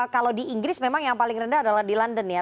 kalau di inggris memang yang paling rendah adalah di london ya